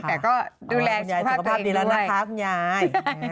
แต่ก็ดูแลสุขภาพเองด้วยอ๋อบุญญายสุขภาพดีแล้วนะครับบุญญาย